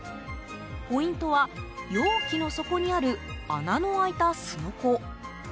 ポイントは容器の底にある穴の開いた、すのこ。